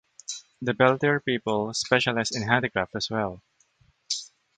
The Beltir people specialized in handicraft as well.